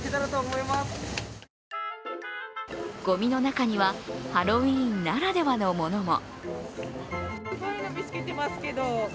ごみの中には、ハロウィーンならではのものも。